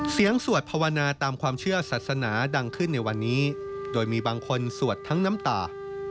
สวดภาวนาตามความเชื่อศาสนาดังขึ้นในวันนี้โดยมีบางคนสวดทั้งน้ำตา